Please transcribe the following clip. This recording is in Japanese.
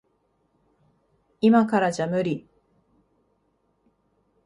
いまからじゃ無理。